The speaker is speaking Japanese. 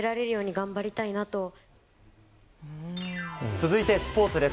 続いて、スポーツです。